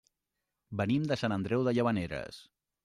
Venim de Sant Andreu de Llavaneres.